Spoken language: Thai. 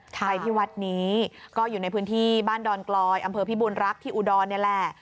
ไปที่วัดนี้ก็อยู่ในพื้นที่บ้านดอนกลอยอำเภอพิบูรรักษ์ที่อุดรนี่แหละ